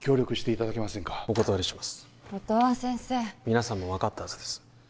皆さんも分かったはずです